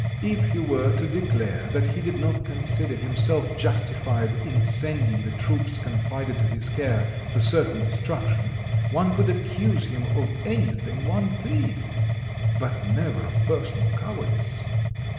If he were to declare that he did not consider himself justified in sending the troops confided to his care to certain destruction, one could accuse him of anything one pleased, but never of personal cowardice.